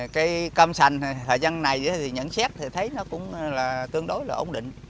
cây cam sành thời gian này nhận xét thấy nó cũng tương đối là ổn định